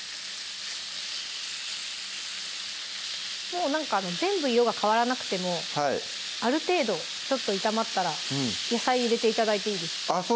もうなんか全部色が変わらなくてもある程度ちょっと炒まったら野菜入れて頂いていいですあっ